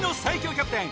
キャプテン